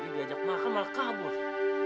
di sini diajak makan malah kabur